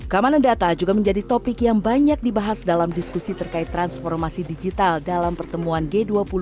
kemanan data juga menjadi topik yang banyak dibahas dalam diskusi terkait transformasi digital dalam pertemuan g dua puluh dua ribu dua puluh dua